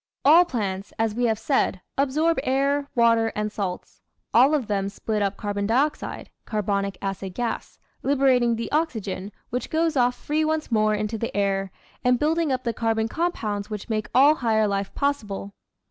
All plants, as we have said, absorb air, water, and salts; all of them split up carbon dioxide (carbonic acid gas), liberating the oxygen, which goes off free once more into the air, and building up the carbon compounds which make all higher life possible.